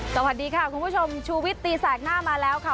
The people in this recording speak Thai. สวัสดีค่ะคุณผู้ชมชูวิตตีแสกหน้ามาแล้วค่ะ